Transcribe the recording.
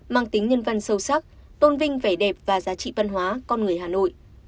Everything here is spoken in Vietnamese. mang tính nhân văn sâu sắc tôn vinh vẻ đẹp và giá trị văn hóa con người hà nội